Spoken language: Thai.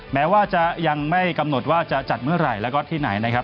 แม้ว่าจะยังไม่กำหนดว่าจะจัดเมื่อไหร่แล้วก็ที่ไหนนะครับ